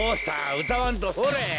うたわんとほれ。